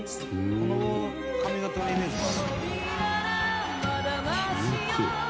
「この髪形のイメージもある」